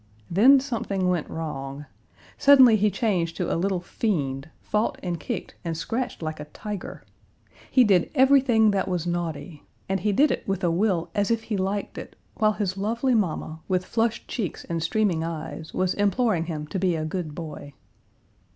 Then something went wrong. Suddenly he changed to a little fiend, fought and kicked and scratched like a tiger. He did everything that was naughty, and he did it with a will as if he liked it, while his lovely mamma, with flushed cheeks and streaming eyes, was imploring him to be a good boy.